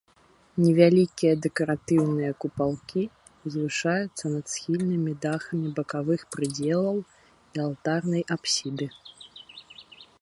Невялікія дэкаратыўныя купалкі ўзвышаюцца над схільнымі дахамі бакавых прыдзелаў і алтарнай апсіды.